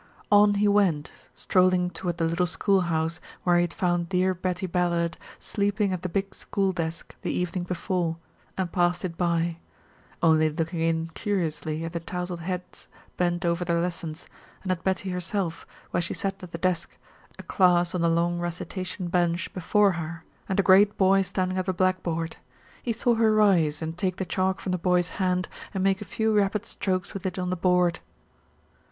On he went, strolling toward the little schoolhouse where he had found dear Betty Ballard sleeping at the big school desk the evening before, and passed it by only looking in curiously at the tousled heads bent over their lessons, and at Betty herself, where she sat at the desk, a class on the long recitation bench before her, and a great boy standing at the blackboard. He saw her rise and take the chalk from the boy's hand and make a few rapid strokes with it on the board.